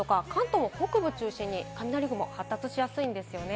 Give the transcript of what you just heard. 関東北部を中心に雷雲おこなりやすいんですよね